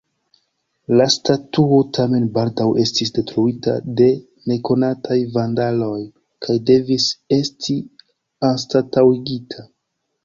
La statuo tamen baldaŭ estis detruita de nekonataj vandaloj kaj devis esti anstataŭigita.